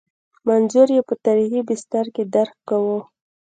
منظور یې په تاریخي بستر کې درک کوو.